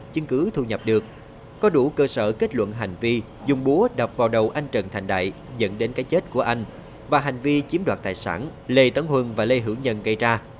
chứng cứ thu nhập được có đủ cơ sở kết luận hành vi dùng búa đập vào đầu anh trần thành đại dẫn đến cái chết của anh và hành vi chiếm đoạt tài sản lê tấn huân và lê hữu nhân gây ra